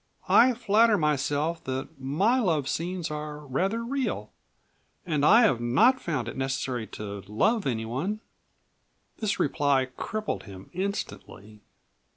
"I flatter myself that my love scenes are rather real, and I have not found it necessary to love anyone." This reply crippled him instantly.